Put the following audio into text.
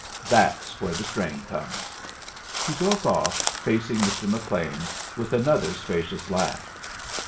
that's where the strain comes!" he broke off, facing Mr. McLean with another spacious laugh.